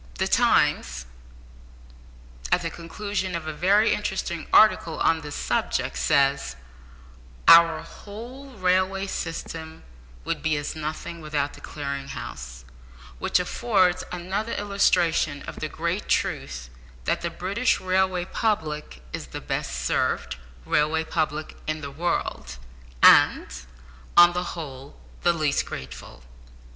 The Times, at the conclusion of a very interesting article on this subject, says, "Our whole railway system would be as nothing without the Clearing House, which affords another illustration of the great truth that the British railway public is the best served railway public in the world, and, on the whole, the least grateful."